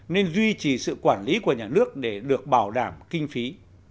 nên duy trì sự quản lý của nhà nước để được bảo đảm kinh phí